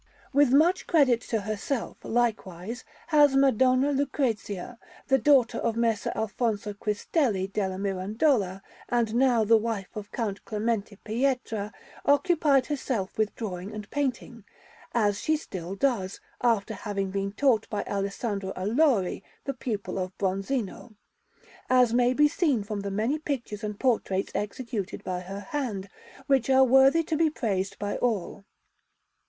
With much credit to herself, likewise, has Madonna Lucrezia, the daughter of Messer Alfonso Quistelli della Mirandola, and now the wife of Count Clemente Pietra, occupied herself with drawing and painting, as she still does, after having been taught by Alessandro Allori, the pupil of Bronzino; as may be seen from many pictures and portraits executed by her hand, which are worthy to be praised by all.